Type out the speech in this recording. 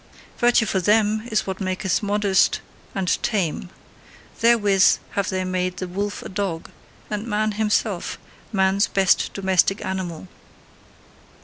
Virtue for them is what maketh modest and tame: therewith have they made the wolf a dog, and man himself man's best domestic animal.